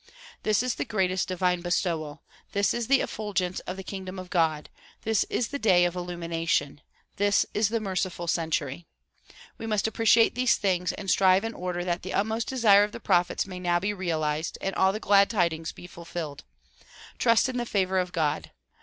This is the greatest divine bestowal ; this is the effulgence of the kingdom of God ; this is the day of illumination ; this is the merciful century. We must appreciate these things and strive in order that the utmost desire of the prophets may now be realized and all the glad tidings be fulfilled. Trust in the favor of God.